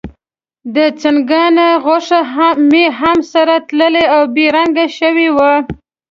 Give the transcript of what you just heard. د ځنګانه غوښه مې هم سره تللې او بې رنګه شوې وه.